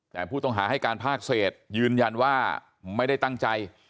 แต่ผู้ต้องหาให้การภาคเศษยืนยันว่าไม่ได้ตั้งใจ